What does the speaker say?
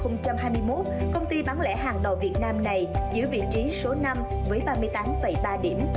năm hai nghìn hai mươi một công ty bán lẻ hàng đầu việt nam này giữ vị trí số năm với ba mươi tám ba điểm